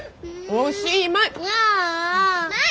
おしまい！